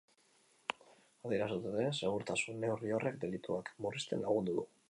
Adierazi dutenez, segurtasun neurri horrek delituak murrizten lagundu du.